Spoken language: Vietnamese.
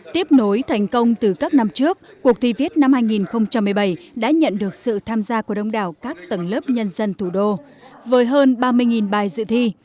tiếp nối thành công từ các năm trước cuộc thi viết năm hai nghìn một mươi bảy đã nhận được sự tham gia của đông đảo các tầng lớp nhân dân thủ đô với hơn ba mươi bài dự thi